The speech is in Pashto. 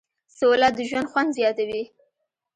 سوله د ژوند خوند زیاتوي.